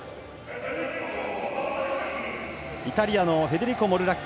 イタリアのフェデリコ・モルラッキ。